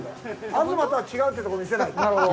東とは違うというところを見せないと。